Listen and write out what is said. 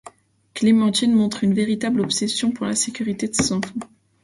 Clémentine montre une véritable obsession pour la sécurité de ses enfants.